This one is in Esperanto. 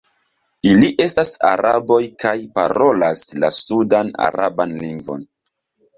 Ili estas araboj kaj parolas la sudan-araban lingvon.